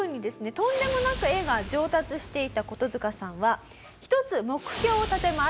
とんでもなく絵が上達していったコトヅカさんは１つ目標を立てます。